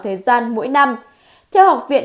thời gian mỗi năm theo học viện